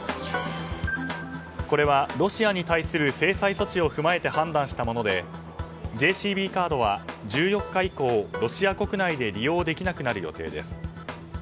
これはロシアに対する制裁措置を踏まえて判断したものでＪＣＢカードは１４日以降ロシア国内で利用できなくなる予定です。